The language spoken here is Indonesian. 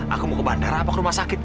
aku mau ke bandara atau rumah sakit